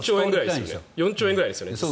４兆円ぐらいですよね。